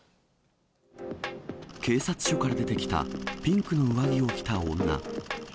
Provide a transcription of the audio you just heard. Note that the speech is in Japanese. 警察署から出てきた、ピンクの上着を着た女。